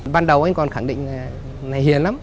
ban đầu anh còn khẳng định này hiền lắm